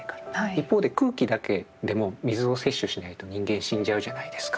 一方で空気だけでも水を摂取しないと人間死んじゃうじゃないですか。